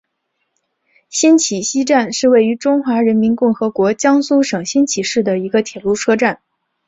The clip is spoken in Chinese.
新沂西站是位于中华人民共和国江苏省新沂市的一个铁路车站。